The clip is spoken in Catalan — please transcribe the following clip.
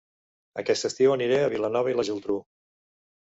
Aquest estiu aniré a Vilanova i la Geltrú